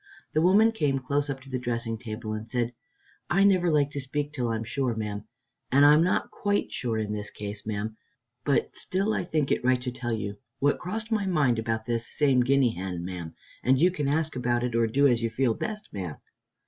The woman came close up to the dressing table, and said, "I never like to speak till I'm sure, ma'am, and I'm not quite sure in this case, ma'am, but still I think it right to tell you what crossed my mind about this same guinea hen, ma'am, and you can ask about it or do as you feel best, ma'am.